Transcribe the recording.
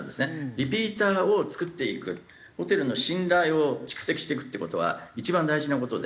リピーターを作っていくホテルの信頼を蓄積していくって事は一番大事な事で。